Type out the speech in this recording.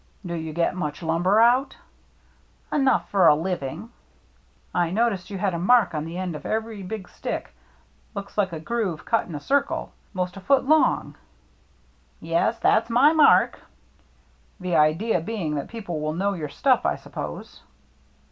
" Do you get much lumber out ?"" Enough for a living." " I noticed you had a mark on the end of every big stick — looked like a groove cut in a circle — most a foot across." " Yes, that's my mark." " The idea being that people will know your stuff, I suppose."